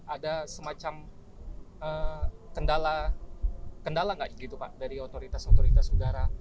ada semacam kendala nggak begitu pak dari otoritas otoritas udara